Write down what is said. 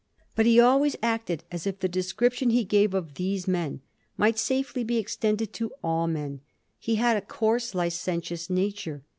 But he always acted as if the description he gave of * these men ' might safely be extended to all men. He had a coarse, licentious nature.